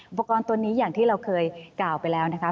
อุปกรณ์ตัวนี้อย่างที่เราเคยกล่าวไปแล้วนะคะ